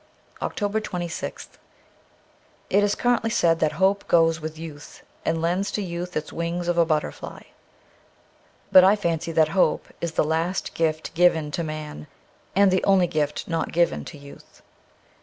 331 OCTOBER 26th IT is currently said that hope goes with youth and lends to youth its wings of a butterfly ; but I fancy that hope is the last gift given to man, and the only gift not given to youth.